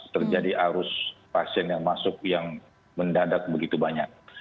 terjadi arus pasien yang masuk yang mendadak begitu banyak